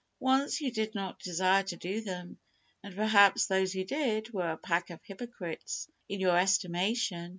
Once you did not desire to do them, and, perhaps, those who did, were a pack of hypocrites, in your estimation.